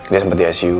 dia sempat di icu